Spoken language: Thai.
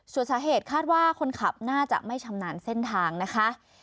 ส่วนสาเหตุคาดว่าคนขับน่าจะไม่ชำนาญเส้นทางนะคะ